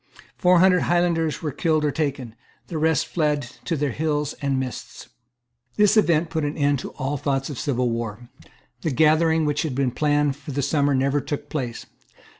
Four hundred Highlanders were killed or taken. The rest fled to their hills and mists, This event put an end to all thoughts of civil war. The gathering which had been planned for the summer never took place.